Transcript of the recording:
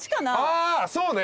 あそうね。